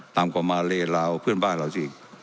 ตั้งกว่ามาเลเวลาเพื่อนบ้านเราที่